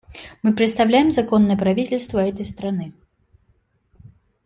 Мы представляем законное правительство этой страны.